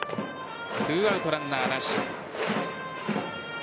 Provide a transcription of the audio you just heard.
２アウトランナーなし。